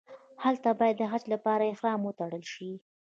هلته باید د حج لپاره احرام وتړل شي.